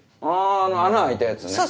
ああの穴開いたやつね。